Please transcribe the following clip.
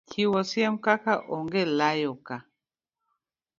chiwo siem kaka Onge Layo Ka!